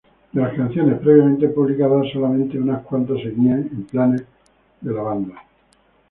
De las canciones previamente publicadas solamente unas cuantas seguían en planes de la banda.